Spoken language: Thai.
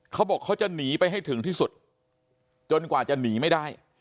เขาบอกเขาจะหนีไปให้ถึงที่สุดจนกว่าจะหนีไม่ได้